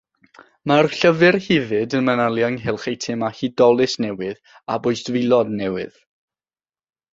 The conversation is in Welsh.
Mae'r llyfr hefyd yn manylu ynghylch eitemau hudolus newydd a bwystfilod newydd.